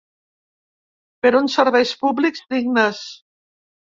Per uns serveis públics dignes!